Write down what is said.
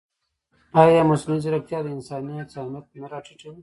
ایا مصنوعي ځیرکتیا د انساني هڅې اهمیت نه راټیټوي؟